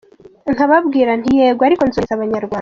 Nkababwira nti yego ariko nzohereza Abanyarwanda.